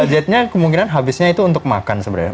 budgetnya kemungkinan habisnya itu untuk makan sebenarnya